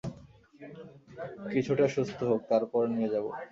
কিছুটা সুস্থ হোক, তারপর নিয়ে যাব।